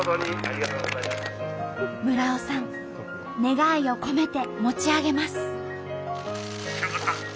村尾さん願いを込めて持ち上げます。